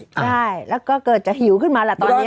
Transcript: ใช่แล้วก็จะเหิวขึ้นมาล่ะตอนเนี้ย